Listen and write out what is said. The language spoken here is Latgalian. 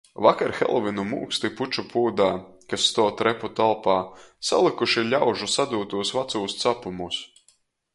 Vakar Helovinu mūksti puču pūdā, kas stuov trepu telpā, salykuši ļaužu sadūtūs vacūs capumus.